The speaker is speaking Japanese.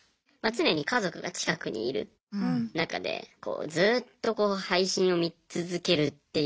常に家族が近くにいる中でずっと配信を見続けるっていうのも難しいんですよね。